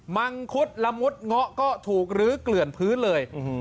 มังคุดละมุดเงาะก็ถูกลื้อเกลื่อนพื้นเลย